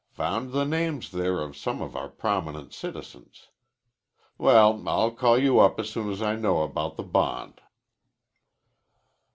Found the names there of some of our prominent citizens. Well, I'll call you up as soon as I know about the bond."